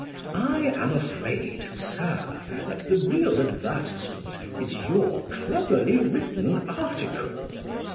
I am afraid, Sir, that the real advertisement is your cleverly written article.